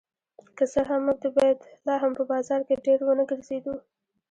که څه هم موږ د بیت لحم په بازار کې ډېر ونه ګرځېدو.